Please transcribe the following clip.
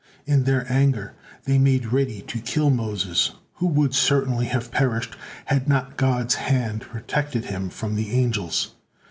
In their anger they made ready to kill Moses, who would certainly have perished, had not God's hand protected him from the angels.